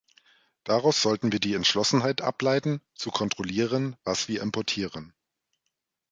Daraus sollten wir die Entschlossenheit ableiten, zu kontrollieren, was wir importieren.